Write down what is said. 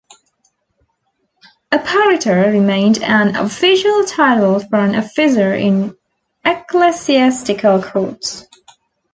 Apparitor remained an official title for an officer in ecclesiastical courts.